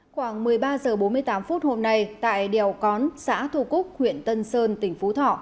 khoảng một mươi ba h bốn mươi tám phút hôm nay tại đèo cón xã thu cúc huyện tân sơn tỉnh phú thọ